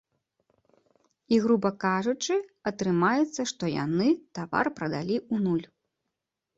І, груба кажучы, атрымаецца, што яны тавар прадалі ў нуль.